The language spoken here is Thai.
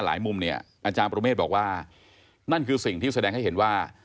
มุมเนี่ยอาจารย์ประเมฆบอกว่านั่นคือสิ่งที่แสดงให้เห็นว่า